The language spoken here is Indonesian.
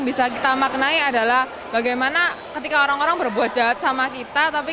bisa kita maknai adalah bagaimana ketika orang orang berbuat jahat sama kita tapi